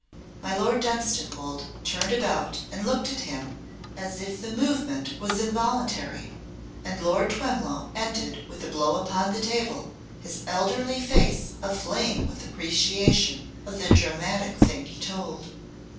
My Lord Dunstanwolde turned about and looked at him as if the movement was involuntary, and Lord Twemlow ended with a blow upon the table, his elderly face aflame with appreciation of the dramatic thing he told.